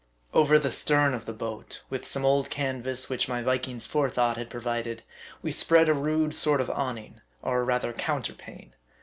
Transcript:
Over the stern of the boat, with some old canvas which my Viking's forethought had provided, we spread a rude sort of awning, or rather counterpane.